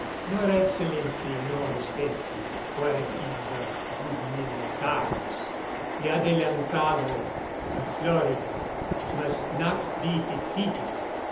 "Your Excellency knows best the qualities of good men at arms. The Adelantado of Florida must not be defeated.